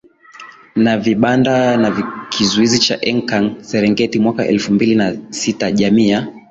na vibanda na kizuizi cha Enkang Serengeti mwaka elfu mbili na sitaJamii ya